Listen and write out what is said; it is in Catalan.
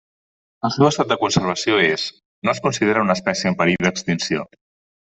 El seu estat de conservació és: no es considera una espècie en perill d'extinció.